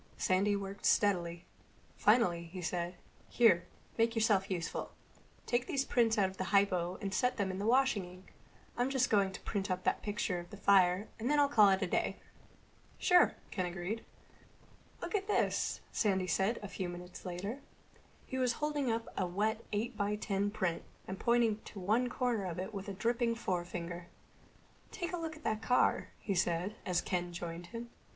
Sandy worked steadily. Finally he said, "Here, make yourself useful. Take these prints out of the hypo and set them washing in the sink. I'm just going to print up that picture of the fire and then I'll call it a day." "Sure," Ken agreed. "Look at this," Sandy said a few minutes later. He was holding up a wet eight by ten print and pointing to one corner of it with a dripping forefinger. "Take a look at that car," he said, as Ken joined him.